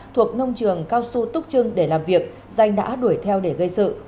thuộc nông trường cao su túc trưng để làm việc danh đã đuổi theo để gây sự